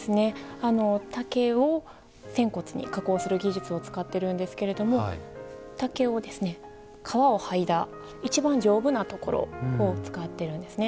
竹を扇骨に加工する技術を使ってるんですが竹を皮をはいだ一番丈夫なところを使っているんですね。